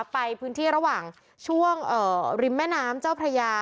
ไปพื้นที่ระหว่างช่วงริมแม่น้ำเจ้าพระยา